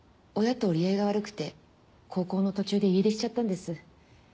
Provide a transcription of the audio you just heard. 親と折り合いが悪くて高校の途中で家出しちゃったんです。